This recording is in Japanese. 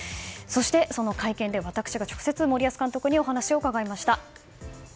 そして、その会見で私が直接森保監督にお話を伺いました。